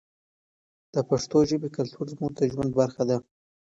د پښتو ژبې کلتور زموږ د ژوند برخه ده.